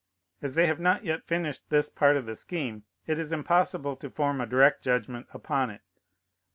As they have not yet finished this part of the scheme, it is impossible to form a direct judgment upon it.